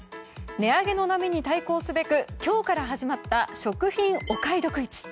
値上げの波に対抗すべく今日から始まった食品お買い得市。